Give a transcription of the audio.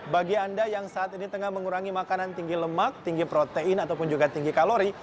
bagi anda yang saat ini tengah mengurangi makanan tinggi lemak tinggi protein ataupun juga tinggi kalori